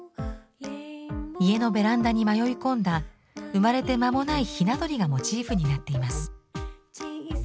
家のベランダに迷い込んだ生まれて間もないひな鳥がモチーフになっています。